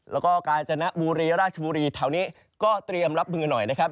แล้วก็กาญจนบุรีราชบุรีแถวนี้ก็เตรียมรับมือหน่อยนะครับ